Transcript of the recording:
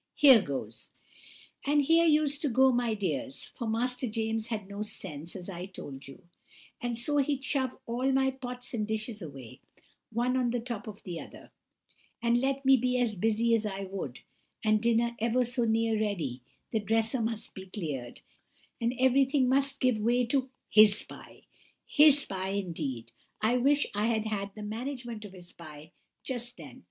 Here goes!' And here used to go, my dears, for Master James had no sense, as I told you; and so he'd shove all my pots and dishes away, one on the top of the other; and let me be as busy as I would, and dinner ever so near ready, the dresser must be cleared, and everything must give way to his pie! His pie, indeed—I wish I had had the management of his pie just then!